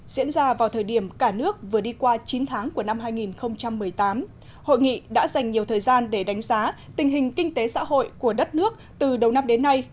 diễn ra vào thời điểm cả nước vừa đi qua chín tháng của năm hai nghìn một mươi tám hội nghị đã dành nhiều thời gian để đánh giá tình hình kinh tế xã hội của đất nước từ đầu năm đến nay